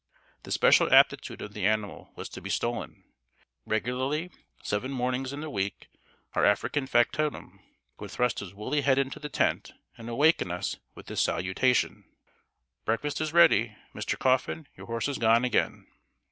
The special aptitude of the animal was to be stolen. Regularly, seven mornings in the week, our African factotum would thrust his woolly head into the tent, and awaken us with this salutation: "Breakfast is ready. Mr. Coffin, your horse is gone again."